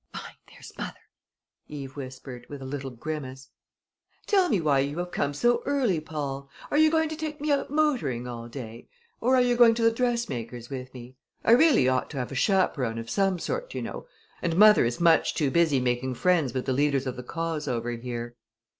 "Mind, there's mother!" Eve whispered, with a little grimace. "Tell me why you have come so early, Paul. Are you going to take me out motoring all day? Or are you going to the dressmaker's with me? I really ought to have a chaperon of some sort, you know, and mother is much too busy making friends with the leaders of the Cause over here."